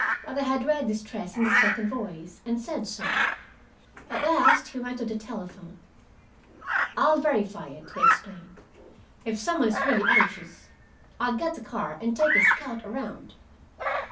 But I had read distress in the second voice, and said so. At last he went to the telephone. "I'll verify it," he explained. "If some one is really anxious, I'll get the car and take a scout around."